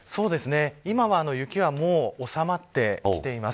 今は雪は収まってきています。